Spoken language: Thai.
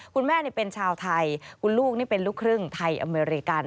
คุณแม่เป็นชาวไทยคุณลูกนี่เป็นลูกครึ่งไทยอเมริกัน